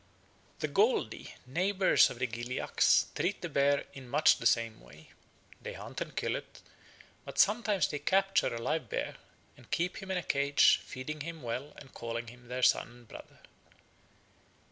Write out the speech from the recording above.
The Goldi, neighbours of the Gilyaks, treat the bear in much the same way. They hunt and kill it; but sometimes they capture a live bear and keep him in a cage, feeding him well and calling him their son and brother.